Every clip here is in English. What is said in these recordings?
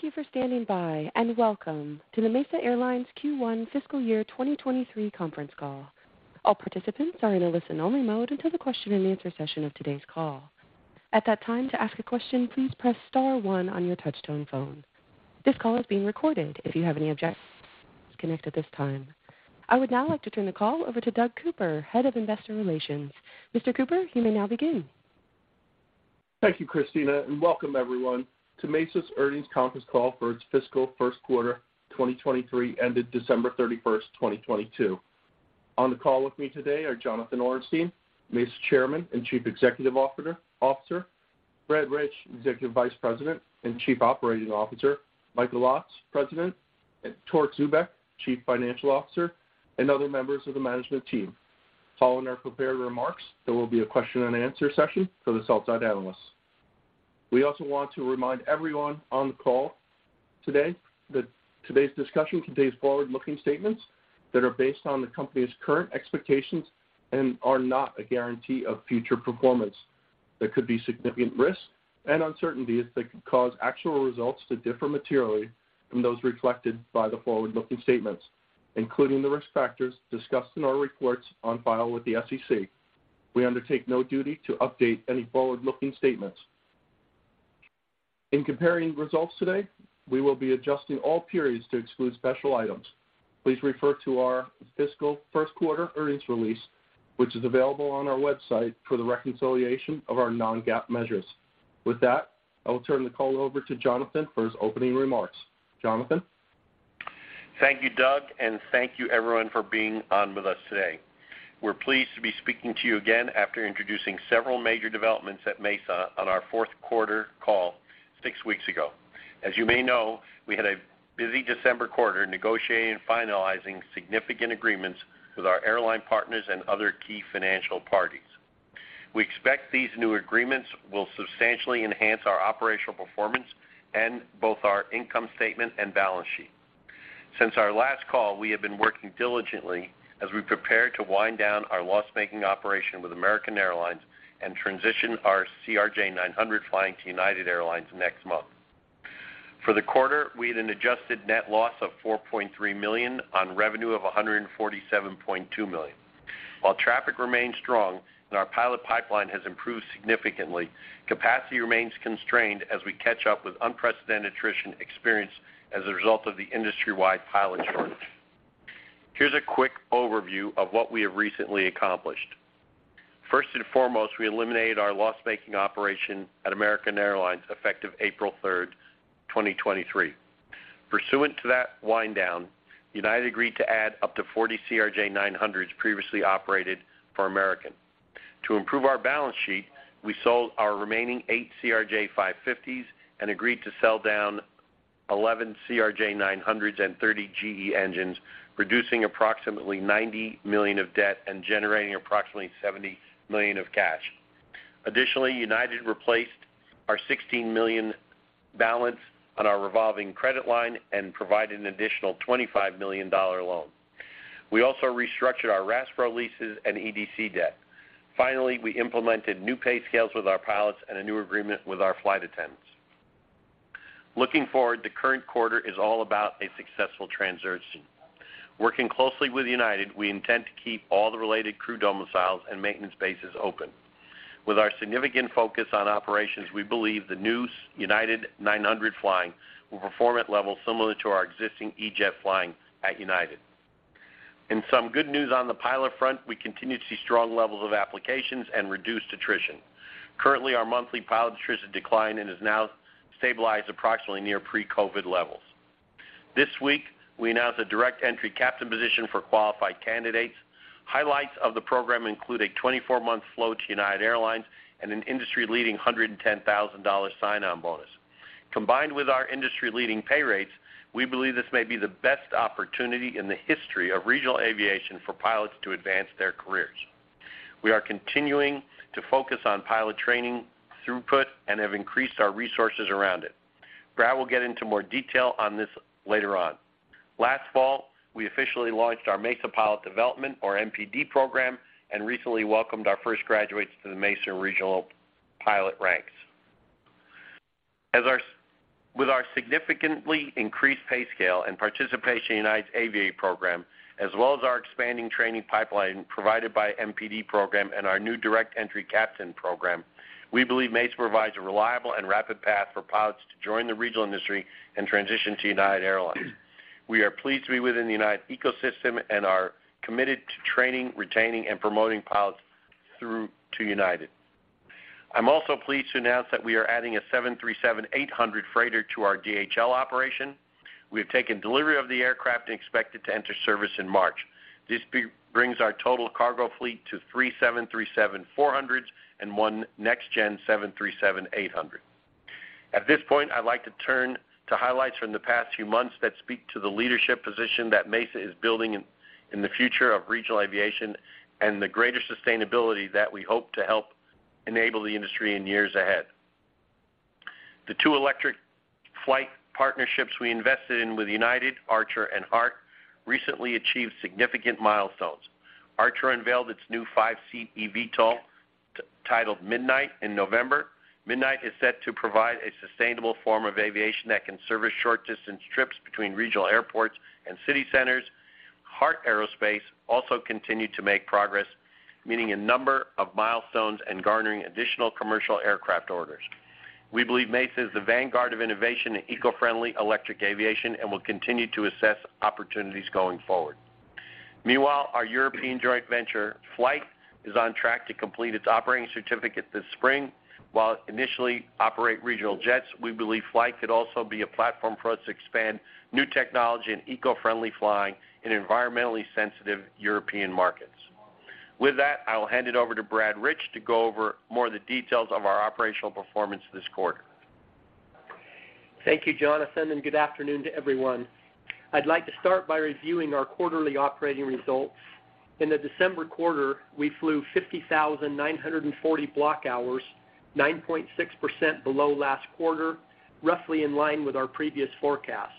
Thank you for standing by, welcome to the Mesa Airlines Q1 Fiscal Year 2023 conference call. All participants are in a listen-only mode until the question and answer session of today's call. At that time, to ask a question, please press star one on your touch-tone phone. This call is being recorded. If you have any connect at this time. I would now like to turn the call over to Doug Cooper, Head of Investor Relations. Mr. Cooper, you may now begin. Thank you, Christina, and welcome everyone to Mesa's earnings conference call for its fiscal Q1, 2023 ended December 31, 2022. On the call with me today are Jonathan Ornstein, Mesa Chairman and Chief Executive Officer, Brad Rich, Executive Vice President and Chief Operating Officer, Michael Lotz, President, and Torque Zubeck, Chief Financial Officer, and other members of the management team. Following our prepared remarks, there will be a question and answer session for the sell-side analysts. We also want to remind everyone on the call today that today's discussion contains forward-looking statements that are based on the company's current expectations and are not a guarantee of future performance. There could be significant risks and uncertainties that could cause actual results to differ materially from those reflected by the forward-looking statements, including the risk factors discussed in our reports on file with the SEC. We undertake no duty to update any forward-looking statements. In comparing results today, we will be adjusting all periods to exclude special items. Please refer to our fiscal Q1 earnings release, which is available on our website for the reconciliation of our non-GAAP measures. With that, I will turn the call over to Jonathan for his opening remarks. Jonathan? Thank you, Doug, and thank you everyone for being on with us today. We're pleased to be speaking to you again after introducing several major developments at Mesa on our Q4 call six weeks ago. As you may know, we had a busy December quarter negotiating and finalizing significant agreements with our airline partners and other key financial parties. We expect these new agreements will substantially enhance our operational performance and both our income statement and balance sheet. Since our last call, we have been working diligently as we prepare to wind down our loss-making operation with American Airlines and transition our CRJ900 flying to United Airlines next month. For the quarter, we had an adjusted net loss of $4.3 million on revenue of $147.2 million. While traffic remains strong and our pilot pipeline has improved significantly, capacity remains constrained as we catch up with unprecedented attrition experienced as a result of the industry-wide pilot shortage. Here's a quick overview of what we have recently accomplished. First and foremost, we eliminated our loss-making operation at American Airlines effective April 3rd, 2023. Pursuant to that wind down, United agreed to add up to 40 CRJ900s previously operated for American. To improve our balance sheet, we sold our remaining 8 CRJ550s and agreed to sell down 11 CRJ900s and 30 GE engines, reducing approximately $90 million of debt and generating approximately $70 million of cash. Additionally, United replaced our $16 million balance on our revolving credit line and provided an additional $25 million loan. We also restructured our RAST leases and EDC debt. We implemented new pay scales with our pilots and a new agreement with our flight attendants. The current quarter is all about a successful transition. Working closely with United, we intend to keep all the related crew domiciles and maintenance bases open. We believe the new United 900 flying will perform at levels similar to our existing EJet flying at United. We continue to see strong levels of applications and reduced attrition. Our monthly pilot attrition declined and has now stabilized approximately near pre-COVID levels. We announced a direct entry captain position for qualified candidates. Highlights of the program include a 24-month flow to United Airlines and an industry-leading $110,000 sign-on bonus. Combined with our industry-leading pay rates, we believe this may be the best opportunity in the history of regional aviation for pilots to advance their careers. We are continuing to focus on pilot training throughput and have increased our resources around it. Brad will get into more detail on this later on. Last fall, we officially launched our Mesa Pilot Development, or MPD program, and recently welcomed our first graduates to the Mesa regional pilot ranks. With our significantly increased pay scale and participation in United's Aviate program, as well as our expanding training pipeline provided by MPD program and our new direct entry captain program, we believe Mesa provides a reliable and rapid path for pilots to join the regional industry and transition to United Airlines. We are pleased to be within the United ecosystem and are committed to training, retaining, and promoting pilots through to United. I'm also pleased to announce that we are adding a 737-800 freighter to our DHL operation. We have taken delivery of the aircraft and expect it to enter service in March. This brings our total cargo fleet to 3 737-400s and 1 next gen 737-800. At this point, I'd like to turn to highlights from the past few months that speak to the leadership position that Mesa is building in the future of regional aviation and the greater sustainability that we hope to help enable the industry in years ahead. The 2 electric flight partnerships we invested in with United, Archer and Heart, recently achieved significant milestones. Archer unveiled its new 5-seat eVTOL-titled Midnight in November. Midnight is set to provide a sustainable form of aviation that can service short distance trips between regional airports and city centers. Heart Aerospace also continued to make progress, meeting a number of milestones and garnering additional commercial aircraft orders. We believe Mesa is the vanguard of innovation in eco-friendly electric aviation and will continue to assess opportunities going forward. Meanwhile, our European joint venture, Flybe, is on track to complete its operating certificate this spring. While initially operate regional jets, we believe Flybe could also be a platform for us to expand new technology and eco-friendly flying in environmentally sensitive European markets. With that, I will hand it over to Brad Rich to go over more of the details of our operational performance this quarter. Thank you, Jonathan, and good afternoon to everyone. I'd like to start by reviewing our quarterly operating results. In the December quarter, we flew 50,940 block hours, 9.6% below last quarter, roughly in line with our previous forecast.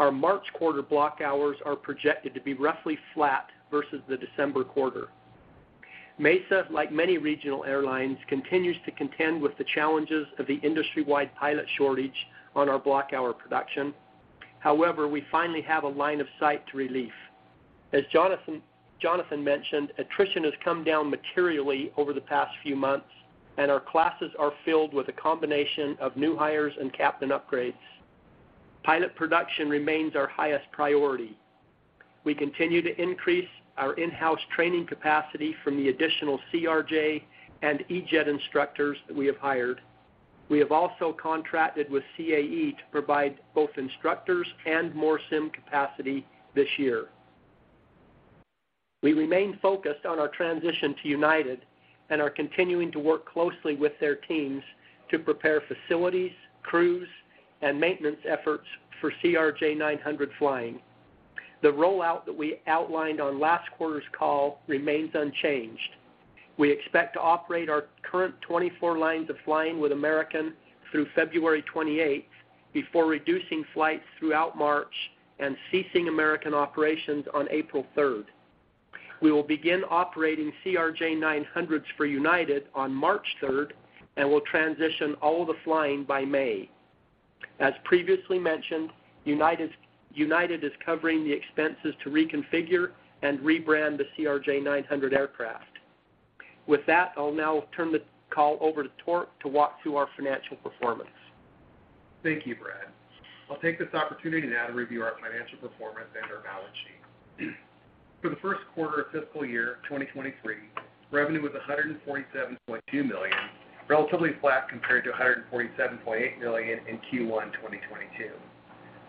Our March quarter block hours are projected to be roughly flat versus the December quarter. Mesa, like many regional airlines, continues to contend with the challenges of the industry-wide pilot shortage on our block hour production. However, we finally have a line of sight to relief. As Jonathan mentioned, attrition has come down materially over the past few months, and our classes are filled with a combination of new hires and captain upgrades. Pilot production remains our highest priority. We continue to increase our in-house training capacity from the additional CRJ and E-Jet instructors that we have hired. We have also contracted with CAE to provide both instructors and more sim capacity this year. We remain focused on our transition to United and are continuing to work closely with their teams to prepare facilities, crews, and maintenance efforts for CRJ900 flying. The rollout that we outlined on last quarter's call remains unchanged. We expect to operate our current 24 lines of flying with American through February 28, before reducing flights throughout March and ceasing American operations on April 3rd. We will begin operating CRJ900s for United on March 3rd and will transition all the flying by May. As previously mentioned, United is covering the expenses to reconfigure and rebrand the CRJ900 aircraft. I'll now turn the call over to Torque to walk through our financial performance. Thank you, Brad. I'll take this opportunity now to review our financial performance and our balance sheet. For the Q1 of fiscal year 2023, revenue was $147.2 million, relatively flat compared to $147.8 million in Q1 2022.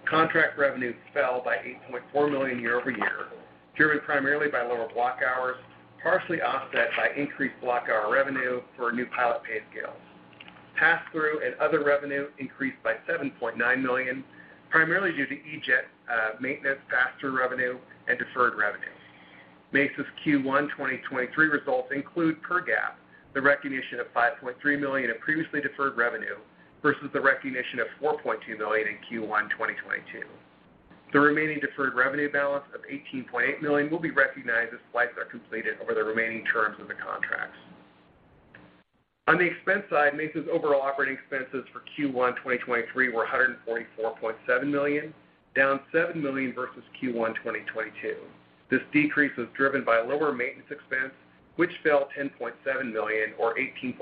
Contract revenue fell by $8.4 million year-over-year, driven primarily by lower block hours, partially offset by increased block hour revenue for new pilot pay scales. Pass-through and other revenue increased by $7.9 million, primarily due to E-Jet maintenance pass-through revenue and deferred revenue. Mesa's Q1 2023 results include, per GAAP, the recognition of $5.3 million in previously deferred revenue versus the recognition of $4.2 million in Q1 2022. The remaining deferred revenue balance of $18.8 million will be recognized as flights are completed over the remaining terms of the contracts. On the expense side, Mesa's overall operating expenses for Q1 2023 were $144.7 million, down $7 million versus Q1 2022. This decrease was driven by lower maintenance expense, which fell $10.7 million or 18.1%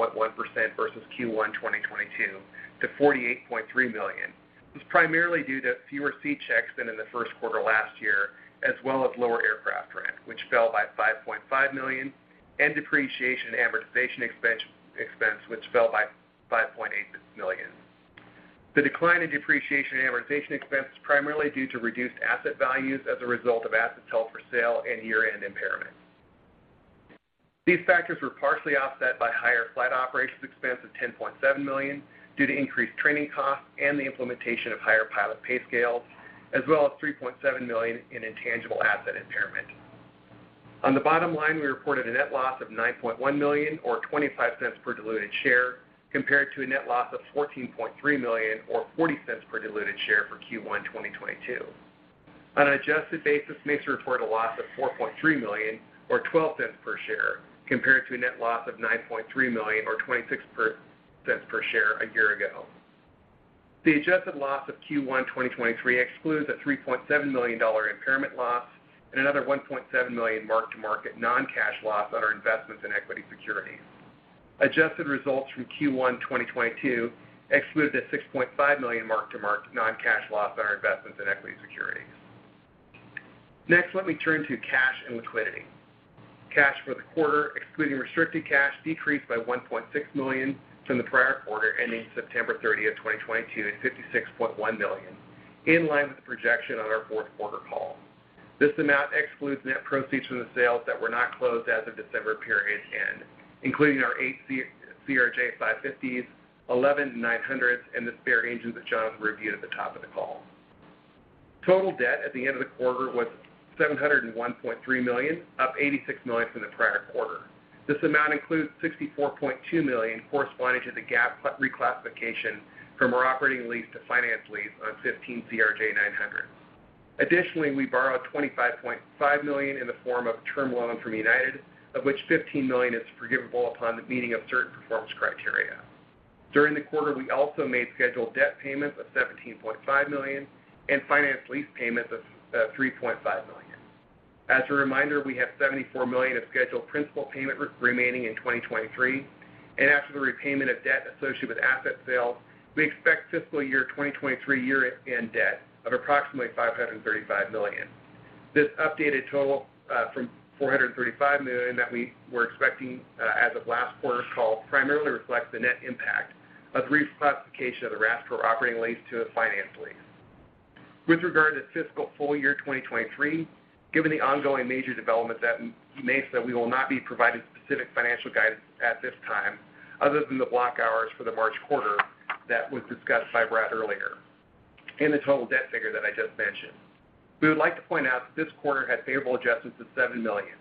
versus Q1 2022 to $48.3 million. This is primarily due to fewer C checks than in the Q1 last year, as well as lower aircraft rent, which fell by $5.5 million, and depreciation and amortization expense, which fell by $5.8 million. The decline in depreciation and amortization expense is primarily due to reduced asset values as a result of assets held for sale and year-end impairment. These factors were partially offset by higher flight operations expense of $10.7 million due to increased training costs and the implementation of higher pilot pay scales, as well as $3.7 million in intangible asset impairment. On the bottom line, we reported a net loss of $9.1 million or $0.25 per diluted share, compared to a net loss of $14.3 million or $0.40 per diluted share for Q1 2022. On an adjusted basis, Mesa reported a loss of $4.3 million or $0.12 per share, compared to a net loss of $9.3 million or $0.26 per share a year ago. The adjusted loss of Q1 2023 excludes a $3.7 million impairment loss and another $1.7 million mark-to-market non-cash loss on our investments in equity securities. Adjusted results from Q1 2022 excluded a $6.5 million mark-to-market non-cash loss on our investments in equity securities. Next, let me turn to cash and liquidity. Cash for the quarter, excluding restricted cash, decreased by $1.6 million from the prior quarter ending September 30, 2022 to $56.1 million, in line with the projection on our fourth quarter call. This amount excludes net proceeds from the sales that were not closed as of December period end, including our CRJ550s five fifties, 11 nine hundreds, and the spare engines that Jonathan reviewed at the top of the call. Total debt at the end of the quarter was $701.3 million, up $86 million from the prior quarter. This amount includes $64.2 million corresponding to the GAAP reclassification from our operating lease to finance lease on 15 CRJ900. Additionally, we borrowed $25.5 million in the form of term loan from United, of which $15 million is forgivable upon the meeting of certain performance criteria. During the quarter, we also made scheduled debt payments of $17.5 million and finance lease payments of $3.5 million. As a reminder, we have $74 million of scheduled principal payment remaining in 2023. After the repayment of debt associated with asset sales, we expect fiscal year 2023 year-end debt of approximately $535 million. This updated total, from $435 million that we were expecting, as of last quarter's call, primarily reflects the net impact of reclassification of the RAST or operating lease to a finance lease. With regard to fiscal full year 2023, given the ongoing major developments at Mesa, we will not be providing specific financial guidance at this time other than the block hours for the March quarter that was discussed by Brad earlier and the total debt figure that I just mentioned. We would like to point out that this quarter had favorable adjustments of $7 million.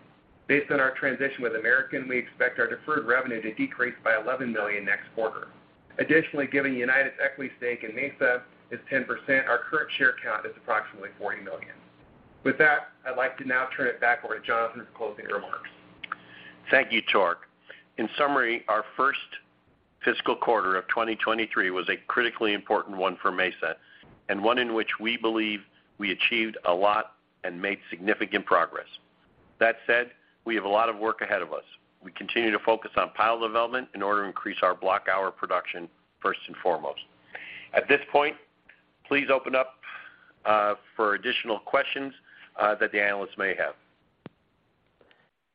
Based on our transition with American, we expect our deferred revenue to decrease by $11 million next quarter. Additionally, given United's equity stake in Mesa is 10%, our current share count is approximately 40 million. With that, I'd like to now turn it back over to Jonathan for his closing remarks. Thank you, Tork. In summary, our Q1of 2023 was a critically important one for Mesa, and one in which we believe we achieved a lot and made significant progress. That said, we have a lot of work ahead of us. We continue to focus on pilot development in order to increase our block hour production first and foremost. At this point, please open up for additional questions that the analysts may have.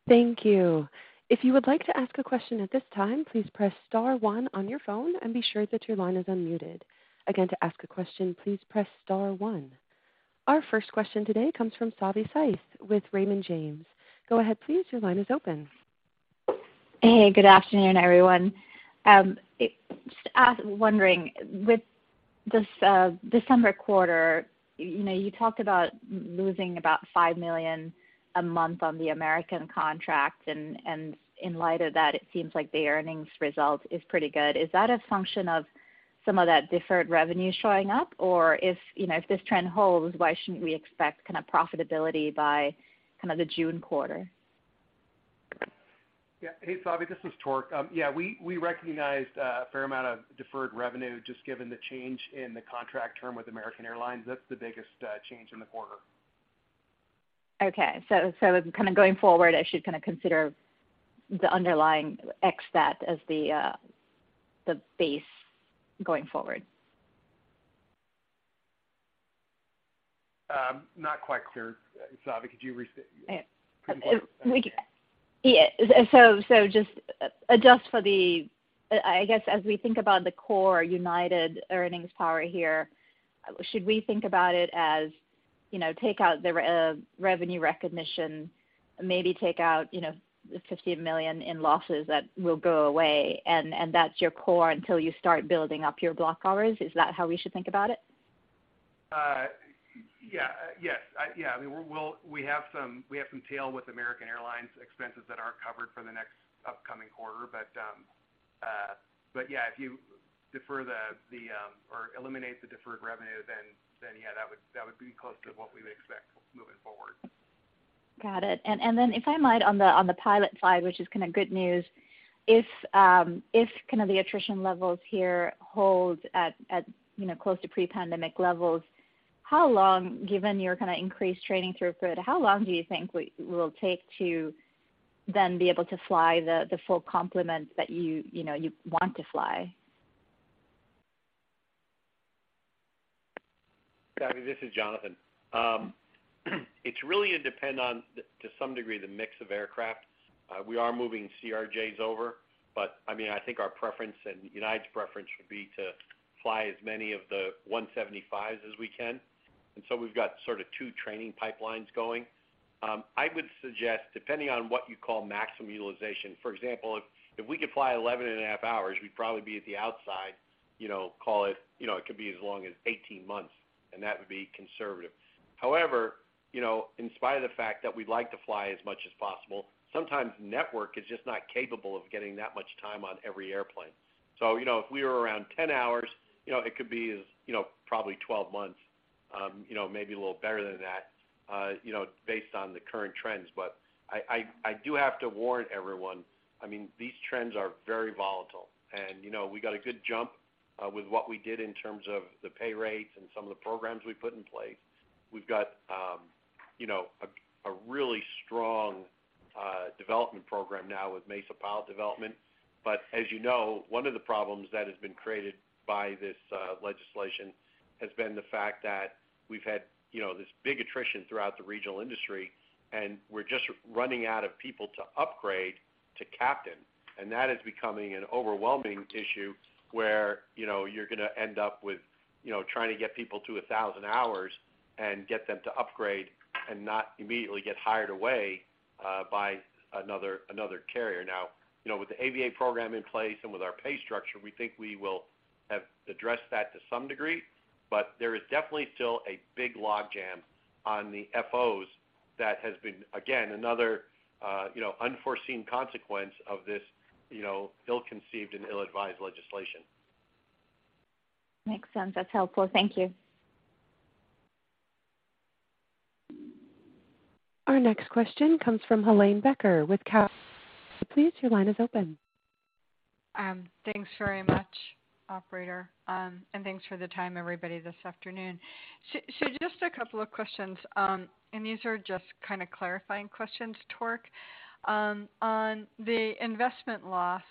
Thank you. If you would like to ask a question at this time, please press star one on your phone and be sure that your line is unmuted. Again, to ask a question, please press star one. Our first question today comes from Savanthi Syth with Raymond James. Go ahead, please. Your line is open. Hey, good afternoon, everyone. With this December quarter, you talked about losing about $5 million a month on the American contract, and in light of that, it seems like the earnings result is pretty good. Is that a function of some of that deferred revenue showing up? If this trend holds, why shouldn't we expect profitability by the June quarter? Yeah. Hey, Savanthi. This is Tork. Yeah, we recognized a fair amount of deferred revenue just given the change in the contract term with American Airlines. That's the biggest change in the quarter. kind of going forward, I should kind of consider the underlying ex that as the base going forward. Not quite clear, Savanthi. Could you restate? Yeah. Just adjust for the, I guess as we think about the core United earnings power here, should we think about it as, you know, take out the revenue recognition, maybe take out, you know, the $15 million in losses that will go away, and that's your core until you start building up your block hours? Is that how we should think about it? Yeah. Yes. I mean, we have some tail with American Airlines expenses that aren't covered for the next upcoming quarter. But yeah, if you defer the or eliminate the deferred revenue, then yeah, that would be close to what we would expect moving forward. Got it. Then if I might on the, on the pilot side, which is kind of good news, if kind of the attrition levels here hold at, you know, close to pre-pandemic levels, how long, given your kind of increased training throughput, how long do you think will take to then be able to fly the full complement that you know, you want to fly? Savi, this is Jonathan. It's really gonna depend on, to some degree, the mix of aircraft. We are moving CRJs over, but I mean, I think our preference and United's preference would be to fly as many of the E175s as we can. So we've got sort of 2 training pipelines going. I would suggest, depending on what you call maximum utilization, for example, if we could fly 11 and a half hours, we'd probably be at the outside, you know, call it, you know, it could be as long as 18 months, and that would be conservative. However, you know, in spite of the fact that we'd like to fly as much as possible, sometimes network is just not capable of getting that much time on every airplane. You know, if we were around 10 hours, you know, it could be, as, you know, probably 12 months, you know, maybe a little better than that, you know, based on the current trends. I do have to warn everyone, I mean, these trends are very volatile, and you know, we got a good jump with what we did in terms of the pay rates and some of the programs we put in place. We've got, you know, a really strong development program now with Mesa Pilot Development. As you know, one of the problems that has been created by this legislation has been the fact that we've had, you know, this big attrition throughout the regional industry, and we're just running out of people to upgrade to captain. That is becoming an overwhelming issue where, you know, you're gonna end up with, you know, trying to get people to 1,000 hours and get them to upgrade and not immediately get hired away by another carrier. Now, you know, with the ABA program in place and with our pay structure, we think we will have addressed that to some degree, but there is definitely still a big logjam on the FOs that has been, again, another, you know, unforeseen consequence of this, you know, ill-conceived and ill-advised legislation. Makes sense. That's helpful. Thank you. Our next question comes from Helane Becker with Cowen.Please, your line is open. Thanks very much, operator. Thanks for the time, everybody, this afternoon. Just a couple of questions. These are just kind of clarifying questions, Torque. On the investment loss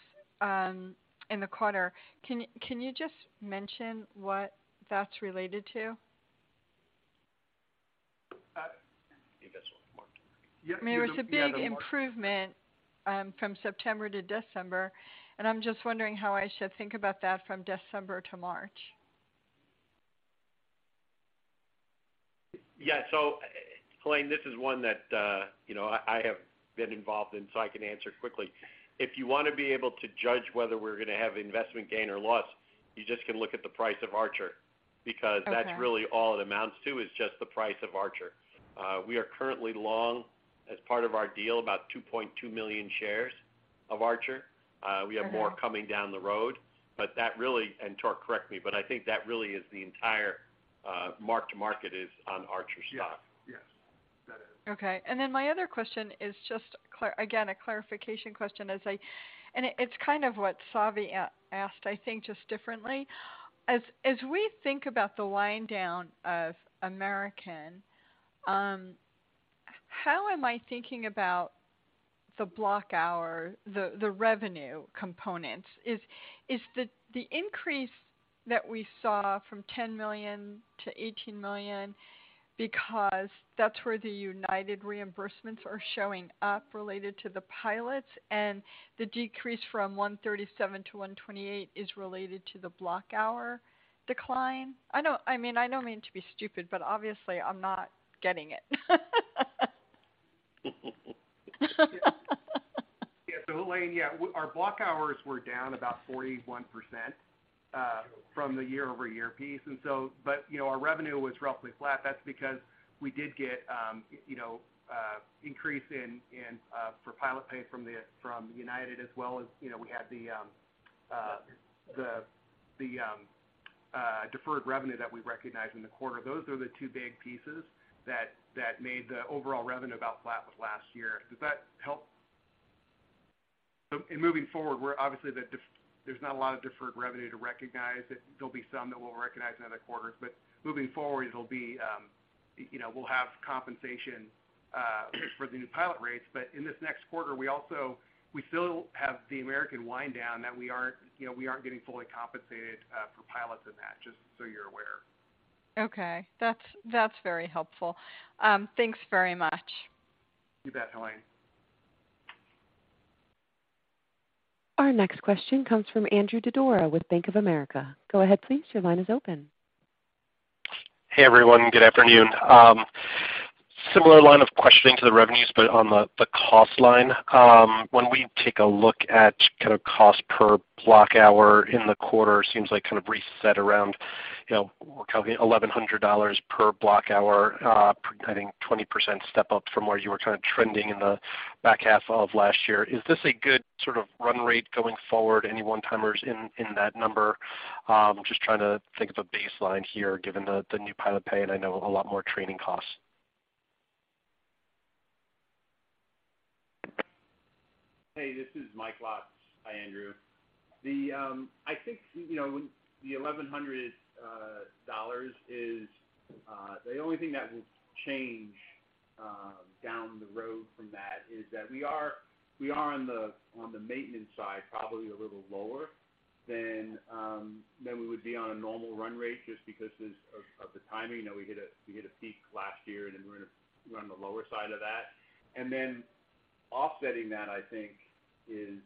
in the quarter, can you just mention what that's related to? The investment market. I mean, there was a big improvement, from September to December, and I'm just wondering how I should think about that from December to March. Yeah. Helane, this is one that, you know, I have been involved in, so I can answer quickly. If you wanna be able to judge whether we're gonna have investment gain or loss, you just can look at the price of Archer. Okay. That's really all it amounts to, is just the price of Archer. We are currently long as part of our deal, about 2.2 million shares of Archer. Mm-hmm. We have more coming down the road, but that really, and Torque, correct me, but I think that really is the entire mark to market is on Archer stock. Yes. Yes, that is. Okay. My other question is just again, a clarification question as I... It's kind of what Savi asked, I think just differently. As we think about the wind down of American, how am I thinking about the block hour, the revenue components? Is the increase that we saw from $10 million to $18 million because that's where the United reimbursements are showing up related to the pilots and the decrease from $137 to $128 is related to the block hour decline? I mean, I don't mean to be stupid, but obviously I'm not getting it. Yeah, Helane, our block hours were down about 41% from the year-over-year piece. You know, our revenue was roughly flat. That's because we did get, you know, increase for pilot pay from United Airlines, as well as, you know, we had the deferred revenue that we recognized in the quarter. Those are the two big pieces that made the overall revenue about flat with last year. Does that help? In moving forward, we're obviously there's not a lot of deferred revenue to recognize. There'll be some that we'll recognize in other quarters, but moving forward, it'll be, you know, we'll have compensation for the new pilot rates. In this next quarter, we still have the American wind down that we aren't, you know, we aren't getting fully compensated for pilots in that, just so you're aware. Okay. That's very helpful. Thanks very much. You bet, Helane. Our next question comes from Andrew Didora with Bank of America. Go ahead, please. Your line is open. Hey, everyone. Good afternoon. Similar line of questioning to the revenues, but on the cost line. When we take a look at kind of cost per block hour in the quarter, seems like kind of brief set around, you know, we're calculating $1,100 per block hour, I think 20% step up from where you were kind of trending in the back half of last year. Is this a good sort of run rate going forward? Any one-timers in that number? Just trying to think of a baseline here given the new pilot pay, and I know a lot more training costs. Hey, this is Michael Lotz. Hi, Andrew. The, I think, you know, the $1,100 is the only thing that will change down the road from that is that we are on the maintenance side, probably a little lower than we would be on a normal run rate just because of the timing. You know, we hit a peak last year, then we're gonna run the lower side of that. Offsetting that, I think, is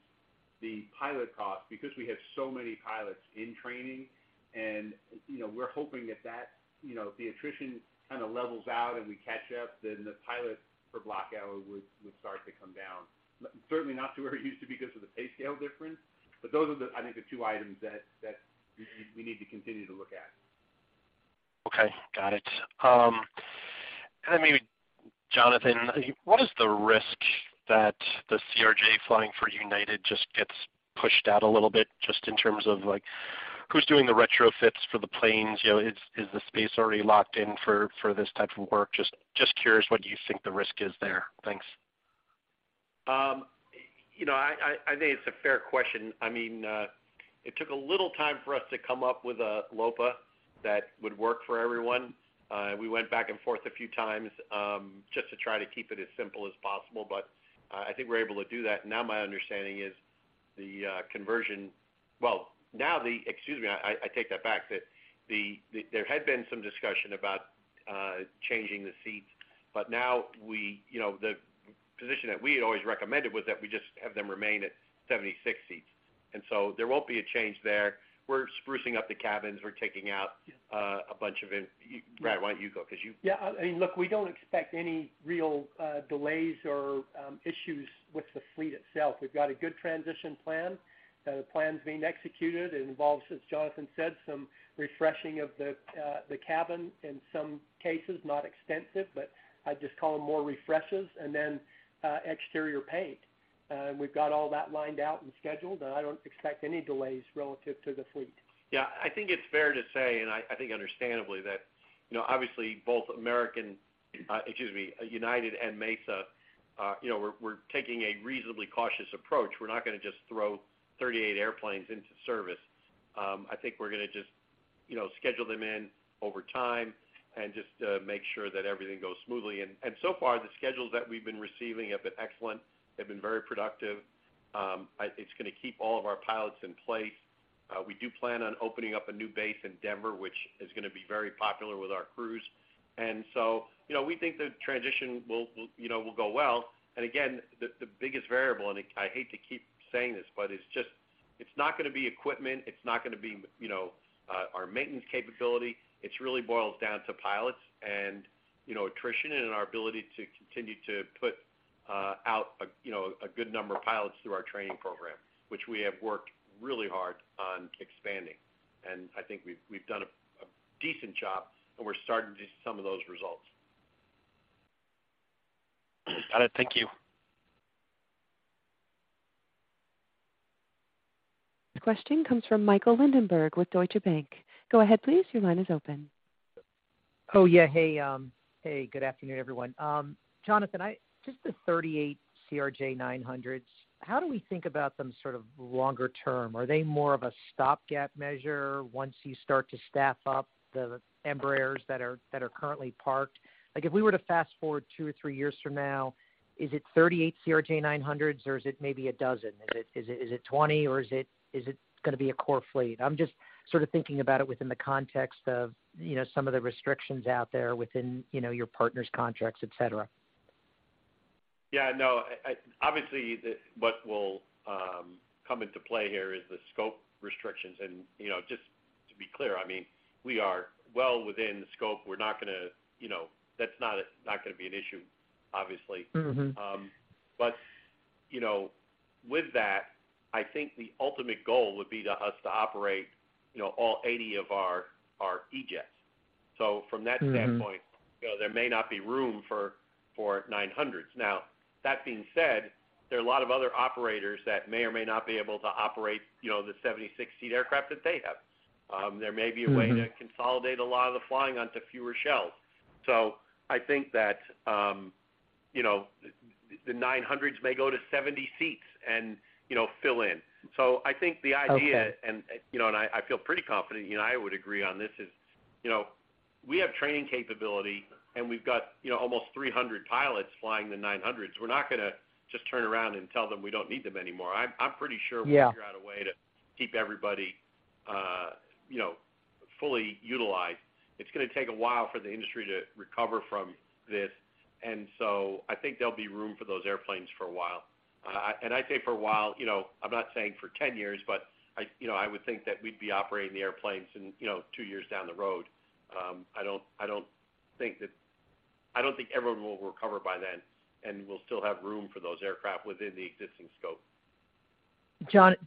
the pilot cost because we have so many pilots in training, and, you know, we're hoping if that, you know, the attrition kind of levels out and we catch up, then the pilot per block hour would start to come down. Certainly not to where it used to be because of the pay scale difference. those are the, I think, the two items that we need to continue to look at. Okay. Got it. I mean, Jonathan, what is the risk that the CRJ flying for United just gets pushed out a little bit just in terms of, like, who's doing the retrofits for the planes? You know, is the space already locked in for this type of work? Just curious what you think the risk is there. Thanks. You know, I think it's a fair question. I mean, it took a little time for us to come up with a LOPA that would work for everyone. We went back and forth a few times, just to try to keep it as simple as possible, but I think we're able to do that. Now my understanding is, excuse me, I take that back. There had been some discussion about changing the seats, but now we, you know, the position that we had always recommended was that we just have them remain at 76 seats. So there won't be a change there. We're sprucing up the cabins. We're taking out a bunch of in- Brad, why don't you go? Yeah. I mean, look, we don't expect any real delays or issues with the fleet itself. We've got a good transition plan. The plan's being executed. It involves, as Jonathan said, some refreshing of the cabin in some cases, not extensive, but I just call them more refreshes, and then exterior paint. We've got all that lined out and scheduled, and I don't expect any delays relative to the fleet. Yeah. I think it's fair to say, and I think understandably, that, you know, obviously both American excuse me, United and Mesa, you know, we're taking a reasonably cautious approach. We're not gonna just throw 38 airplanes into service. I think we're gonna just, you know, schedule them in over time and just make sure that everything goes smoothly. So far, the schedules that we've been receiving have been excellent. They've been very productive. It's gonna keep all of our pilots in place. We do plan on opening up a new base in Denver, which is gonna be very popular with our crews. So, you know, we think the transition will, you know, will go well. Again, the biggest variable, and I hate to keep saying this, but it's just it's not gonna be equipment, it's not gonna be, you know, our maintenance capability. It really boils down to pilots and, you know, attrition and our ability to continue to put out a, you know, a good number of pilots through our training program, which we have worked really hard on expanding. I think we've done a decent job, and we're starting to see some of those results. Got it. Thank you. The question comes from Michael Linenberg with Deutsche Bank. Go ahead, please. Your line is open. Hey, good afternoon, everyone. Jonathan, just the 38 CRJ900s. How do we think about them sort of longer term? Are they more of a stopgap measure once you start to staff up the Embraers that are currently parked? Like, if we were to fast-forward 2 or 3 years from now, is it 38 CRJ900s, or is it maybe 12? Is it 20, or is it gonna be a core fleet? I'm just sort of thinking about it within the context of, you know, some of the restrictions out there within, you know, your partners' contracts, et cetera. Yeah, no. Obviously, what will come into play here is the scope restrictions. You know, just to be clear, I mean, we are well within the scope. We're not gonna, that's not gonna be an issue, obviously. Mm-hmm. You know, with that, I think the ultimate goal would be to us to operate, you know, all 80 of our E-Jets. From that standpoint. Mm-hmm... you know, there may not be room for 900s. That being said, there are a lot of other operators that may or may not be able to operate, you know, the 76-seat aircraft that they have. There may be a Mm-hmm... to consolidate a lot of the flying onto fewer shelves. I think that, you know, the 900s may go to 70 seats and, you know, fill in. Okay you know, I feel pretty confident you and I would agree on this, is, you know, we have training capability, and we've got, you know, almost 300 pilots flying the 900s. We're not gonna just turn around and tell them we don't need them anymore. I'm pretty sure. Yeah... we'll figure out a way to keep everybody, you know, fully utilized. It's gonna take a while for the industry to recover from this. I think there'll be room for those airplanes for a while. I say for a while, you know, I'm not saying for 10 years, but I, you know, I would think that we'd be operating the airplanes and, you know, two years down the road. I don't think everyone will recover by then, and we'll still have room for those aircraft within the existing scope.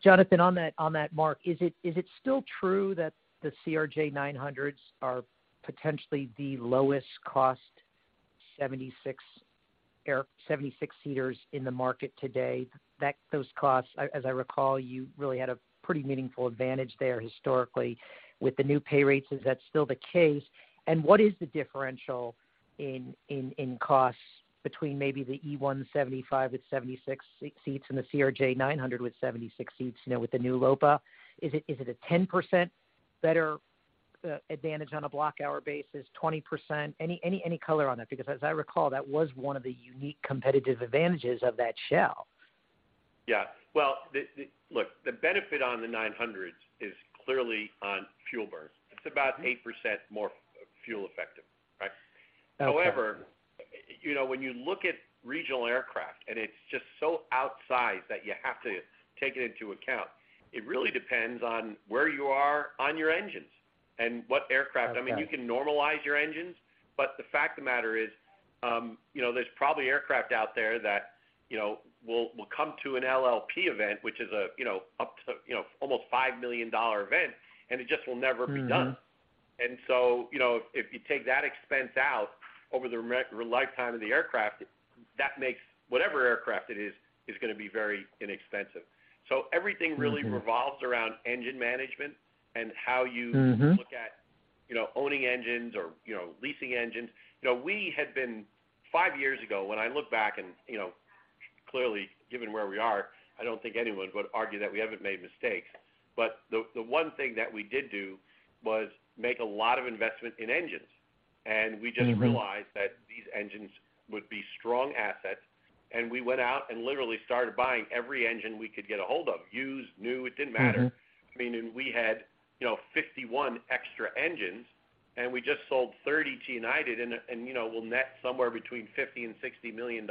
Jonathan, on that mark, is it still true that the CRJ 900s are potentially the lowest cost 76 seaters in the market today? Those costs, as I recall, you really had a pretty meaningful advantage there historically. With the new pay rates, is that still the case? What is the differential in costs between maybe the E175 with 76 seats and the CRJ 900 with 76 seats, you know, with the new LOPA? Is it a 10% better advantage on a block hour basis, 20%? Any color on that? Because as I recall, that was one of the unique competitive advantages of that shell. Yeah. Well, look, the benefit on the Nine Hundreds is clearly on fuel burn. It's about 8% more fuel effective, right? Okay. However, you know, when you look at regional aircraft, and it's just so outsized that you have to take it into account, it really depends on where you are on your engines and what aircraft-. Okay... I mean, you can normalize your engines, but the fact of the matter is, you know, there's probably aircraft out there that, you know, will come to an LLP event, which is a, you know, up to, you know, almost a $5 million event, and it just will never be done. Mm-hmm. You know, if you take that expense out over the lifetime of the aircraft, that makes whatever aircraft it is going to be very inexpensive. Everything. Mm-hmm... revolves around engine management and how you-. Mm-hmm... look at, you know, owning engines or, you know, leasing engines. You know, we had been 5 years ago, when I look back and, you know, clearly given where we are, I don't think anyone would argue that we haven't made mistakes, but the one thing that we did do was make a lot of investment in engines. We just realized. Mm-hmm... that these engines would be strong assets. We went out and literally started buying every engine we could get a hold of. Used, new, it didn't matter. Mm-hmm. I mean, we had, you know, 51 extra engines, and we just sold 30 to United and, you know, we'll net somewhere between $50 million-$60 million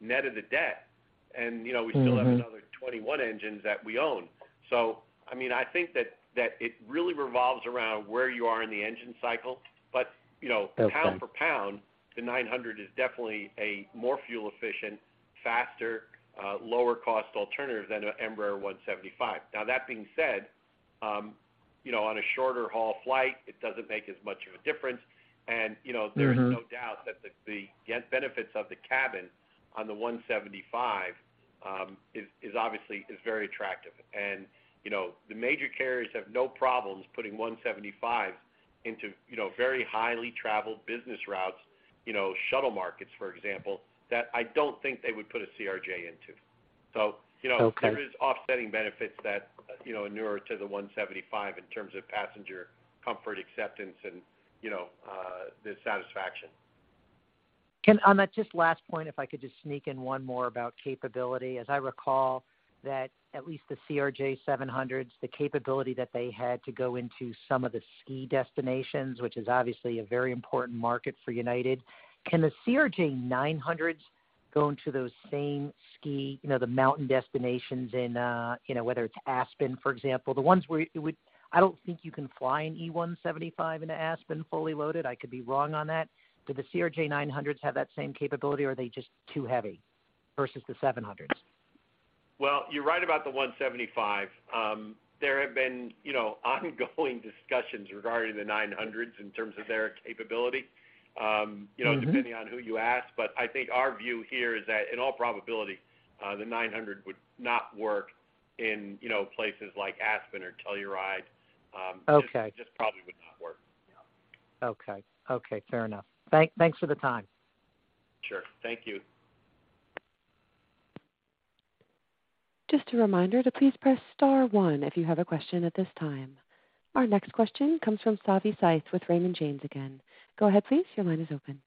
net of the debt. you know. Mm-hmm... we still have another 21 engines that we own. I mean, I think that it really revolves around where you are in the engine cycle. You know. Okay pound for pound, the nine hundred is definitely a more fuel-efficient, faster, lower cost alternative than an Embraer 175. Now that being said, you know, on a shorter-haul flight, it doesn't make as much of a difference. you know. Mm-hmm... there is no doubt that the benefits of the cabin on the E175 is obviously very attractive. You know, the major carriers have no problems putting E175s into, you know, very highly traveled business routes, you know, shuttle markets, for example, that I don't think they would put a CRJ into. Okay... there is offsetting benefits that, you know, inure to the E175 in terms of passenger comfort, acceptance, and, you know, the satisfaction. On that just last point, if I could just sneak in one more about capability. As I recall that at least the CRJ700s, the capability that they had to go into some of the ski destinations, which is obviously a very important market for United. Can the CRJ900s go into those same ski, you know, the mountain destinations in, you know, whether it's Aspen, for example? The ones where I don't think you can fly an E175 into Aspen fully loaded. I could be wrong on that. Do the CRJ900s have that same capability, or are they just too heavy versus the CRJ700s? Well, you're right about the 175. There have been, you know, ongoing discussions regarding the 900s in terms of their capability. Mm-hmm... depending on who you ask. I think our view here is that in all probability, the 900 would not work in, you know, places like Aspen or Telluride. Okay... just probably would not work. Okay, fair enough. Thanks for the time. Sure. Thank you. Just a reminder to please press star one if you have a question at this time. Our next question comes from Savi Syth with Raymond James again. Go ahead, please. Your line is open.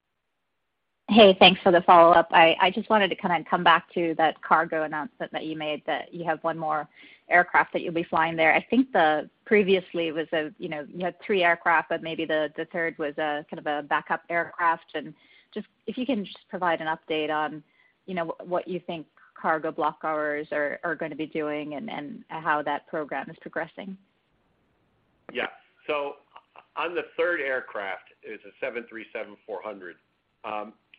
Hey, thanks for the follow-up. I just wanted to kind of come back to that cargo announcement that you made that you have one more aircraft that you'll be flying there. I think previously it was, you know, you had three aircraft, but maybe the third was a kind of a backup aircraft. Just if you can just provide an update on, you know, what you think cargo block hours are gonna be doing and how that program is progressing. Yeah. So on the third aircraft is a 737-400.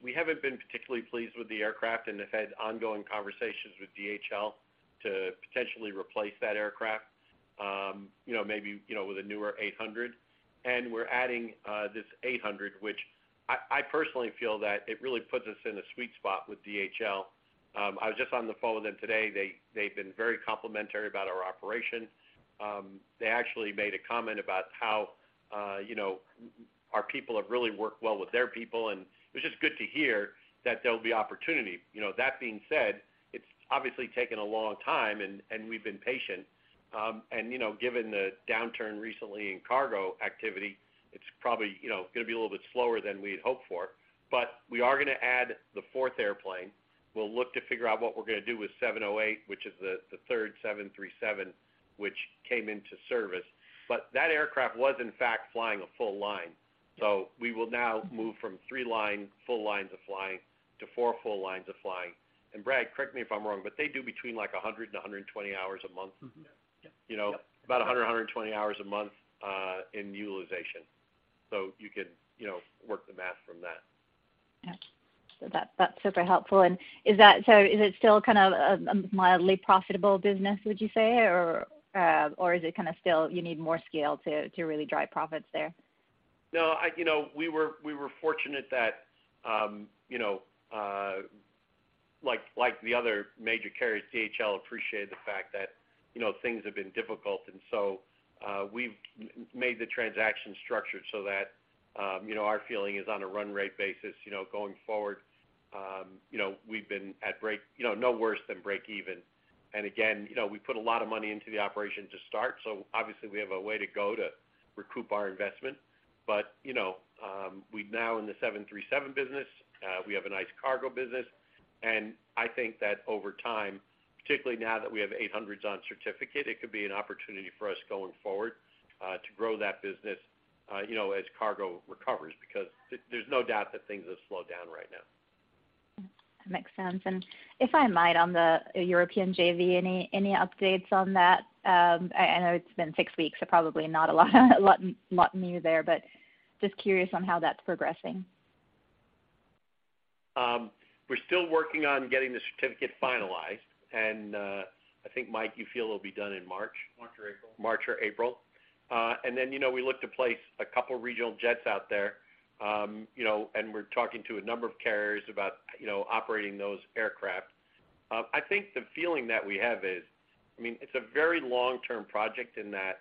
We haven't been particularly pleased with the aircraft and have had ongoing conversations with DHL to potentially replace that aircraft, you know, maybe, you know, with a newer 800. We're adding this 800, which I personally feel that it really puts us in a sweet spot with DHL. I was just on the phone with them today. They've been very complimentary about our operation. They actually made a comment about how, you know, our people have really worked well with their people, and it was just good to hear that there'll be opportunity. You know, that being said, it's obviously taken a long time and we've been patient. You know, given the downturn recently in cargo activity, it's probably, you know, gonna be a little bit slower than we'd hoped for. We are gonna add the fourth airplane. We'll look to figure out what we're gonna do with 708, which is the 3rd 737, which came into service. That aircraft was in fact flying a full line. We will now move from 3 full lines of flying to 4 full lines of flying. Brad, correct me if I'm wrong, but they do between like 100 to 120 hours a month. Mm-hmm. Yep. You know, about 100, 120 hours a month, in utilization. You can, you know, work the math from that. Yeah. That, that's super helpful. Is it still kind of a mildly profitable business, would you say, or is it kind of still you need more scale to really drive profits there? No, you know, we were fortunate that, you know, like the other major carriers, DHL appreciated the fact that, you know, things have been difficult. We've made the transaction structured so that, you know, our feeling is on a run rate basis, you know, going forward, you know, we've been at break, you know, no worse than break even. You know, we put a lot of money into the operation to start, so obviously we have a way to go to recoup our investment. You know, we're now in the 737 business. We have a nice cargo business. I think that over time, particularly now that we have 800s on certificate, it could be an opportunity for us going forward, to grow that business, you know, as cargo recovers, because there's no doubt that things have slowed down right now. That makes sense. If I might, on the European JV, any updates on that? I know it's been six weeks, so probably not a lot new there, but just curious on how that's progressing. We're still working on getting the certificate finalized. I think, Mike, you feel it'll be done in March? March or April. March or April. You know, we look to place a couple regional jets out there, you know, and we're talking to a number of carriers about, you know, operating those aircraft. I think the feeling that we have is, I mean, it's a very long-term project in that,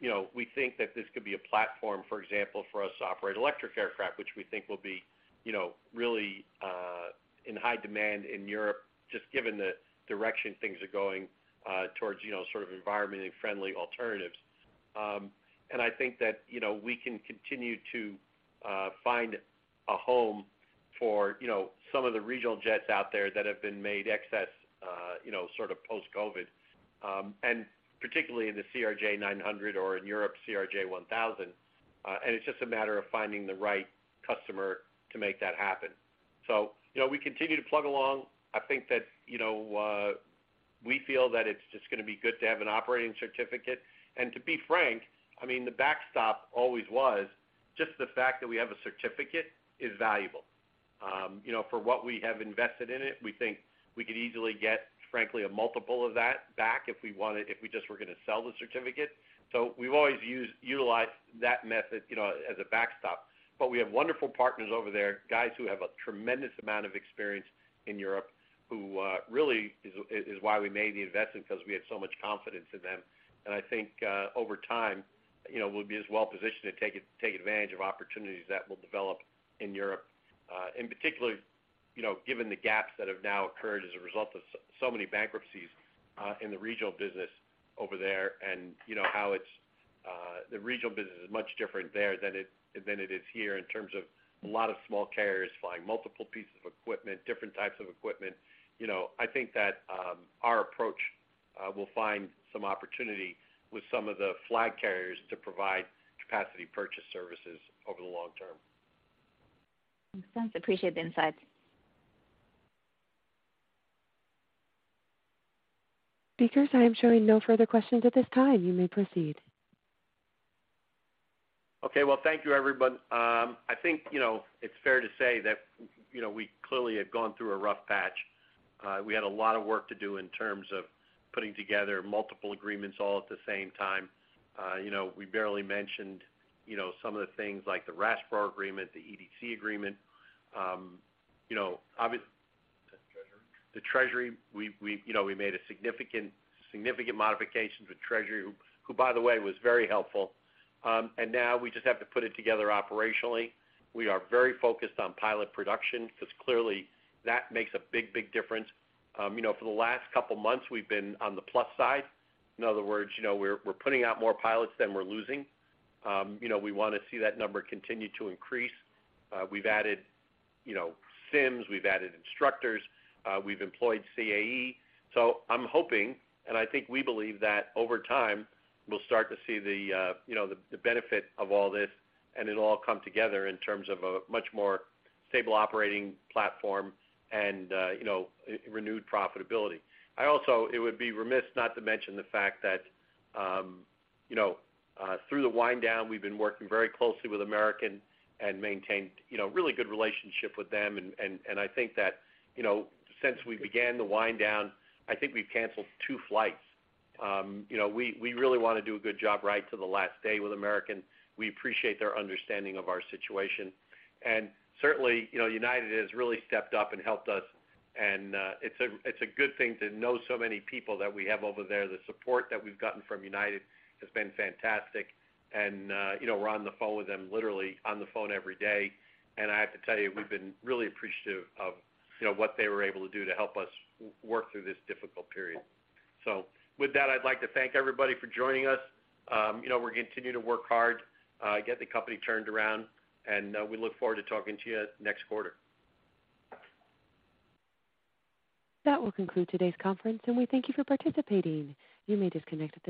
you know, we think that this could be a platform, for example, for us to operate electric aircraft, which we think will be, you know, really in high demand in Europe, just given the direction things are going towards, you know, sort of environmentally friendly alternatives. I think that, you know, we can continue to find a home for, you know, some of the regional jets out there that have been made excess, you know, sort of post-COVID, and particularly in the CRJ900 or in Europe, CRJ1000. It's just a matter of finding the right customer to make that happen. You know, we continue to plug along. I think that, you know, we feel that it's just gonna be good to have an operating certificate. To be frank, I mean, the backstop always was just the fact that we have a certificate is valuable. You know, for what we have invested in it, we think we could easily get, frankly, a multiple of that back if we wanted, if we just were gonna sell the certificate. We've always utilized that method, you know, as a backstop. We have wonderful partners over there, guys who have a tremendous amount of experience in Europe, who really is why we made the investment 'cause we had so much confidence in them. I think, over time, you know, we'll be as well positioned to take advantage of opportunities that will develop in Europe, in particularly, you know, given the gaps that have now occurred as a result of so many bankruptcies in the regional business over there. You know, how it's the regional business is much different there than it is here in terms of a lot of small carriers flying multiple pieces of equipment, different types of equipment. You know, I think that, our approach, will find some opportunity with some of the flag carriers to provide capacity purchase services over the long term. Makes sense. Appreciate the insight. Speakers, I am showing no further questions at this time. You may proceed. Okay. Well, thank you, everyone. I think, you know, it's fair to say that, you know, we clearly have gone through a rough patch. We had a lot of work to do in terms of putting together multiple agreements all at the same time. You know, we barely mentioned, you know, some of the things like the RASPRO agreement, the EDC agreement. You know, The Treasury. The Treasury. We, you know, we made a significant modification with Treasury, who, by the way, was very helpful. Now we just have to put it together operationally. We are very focused on pilot production because clearly that makes a big difference. You know, for the last couple months we've been on the plus side. In other words, you know, we're putting out more pilots than we're losing. You know, we wanna see that number continue to increase. We've added, you know, sims, we've added instructors, we've employed CAE. I'm hoping, and I think we believe that over time we'll start to see the, you know, the benefit of all this, and it'll all come together in terms of a much more stable operating platform and, you know, renewed profitability. It would be remiss not to mention the fact that, you know, through the wind down, we've been working very closely with American and maintained, you know, really good relationship with them. I think that, you know, since we began the wind down, I think we've canceled two flights. You know, we really wanna do a good job right to the last day with American. We appreciate their understanding of our situation. Certainly, you know, United has really stepped up and helped us, it's a good thing to know so many people that we have over there. The support that we've gotten from United has been fantastic, you know, we're on the phone with them, literally on the phone every day. I have to tell you, we've been really appreciative of, you know, what they were able to do to help us work through this difficult period. With that, I'd like to thank everybody for joining us. You know, we're gonna continue to work hard, get the company turned around, and we look forward to talking to you next quarter. That will conclude today's conference, and we thank you for participating. You may disconnect at this time.